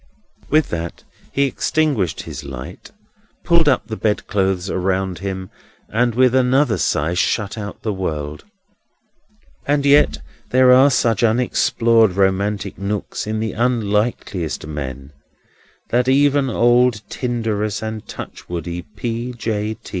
With that, he extinguished his light, pulled up the bedclothes around him, and with another sigh shut out the world. And yet there are such unexplored romantic nooks in the unlikeliest men, that even old tinderous and touchwoody P. J.